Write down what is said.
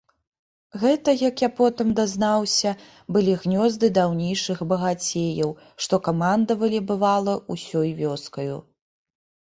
Гэта, як я потым дазнаўся, былі гнёзды даўнейшых багацеяў, што камандавалі, бывала, усёй вёскаю.